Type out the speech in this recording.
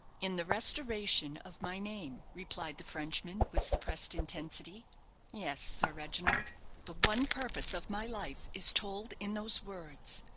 "In the restoration of my name," replied the Frenchman, with suppressed intensity. "Yes, Sir Reginald, the one purpose of my life is told in those words.